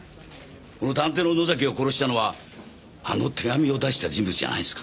この探偵の野崎を殺したのはあの手紙を出した人物じゃないですか？